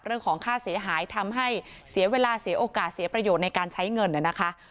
เรื่องของค่าเสียหายทำให้เสียเวลาเสียโอกาสเสียประโยชน์ในการใช้เงินนะคะ